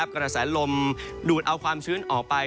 กระแสลมดูดเอาความชื้นออกไป